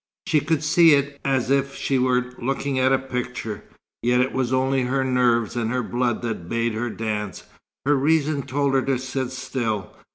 She could see it as if she were looking at a picture; yet it was only her nerves and her blood that bade her dance. Her reason told her to sit still.